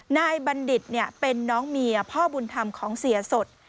บัณฑิตเป็นน้องเมียพ่อบุญธรรมของเสียสด